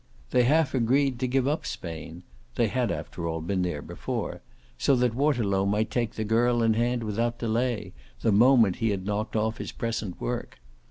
They half agreed to give up Spain they had after all been there before so that Waterlow might take the girl in hand without delay, the moment he had knocked off his present work.